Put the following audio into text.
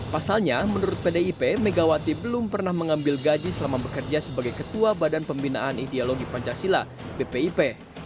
pasalnya menurut pdip megawati belum pernah mengambil gaji selama bekerja sebagai ketua badan pembinaan ideologi pancasila bpip